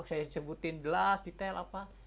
saya sebutin gelas detail apa